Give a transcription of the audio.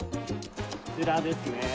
こちらですね。